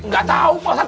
nggak tahu pak saat